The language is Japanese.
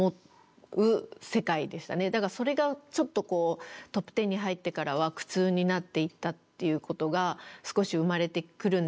だからそれがちょっとこうトップ１０に入ってからは苦痛になっていったっていうことが少し生まれてくるんですけれども。